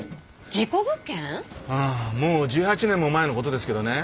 ああもう１８年も前のことですけどね。